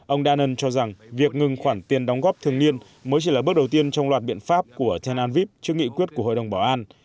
ông danen cho rằng việc ngừng khoản tiền đóng góp thường niên mới chỉ là bước đầu tiên trong loạt biện pháp của tenantvip trước nghị quyết của hội đồng bảo an